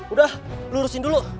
udah lo urusin dulu